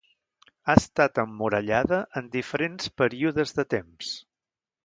Ha estat emmurallada en diferents períodes de temps.